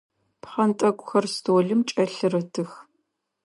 Пхъэнтӏэкӏухэр столым кӏэлъырытых.